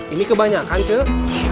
ini kebanyakan cik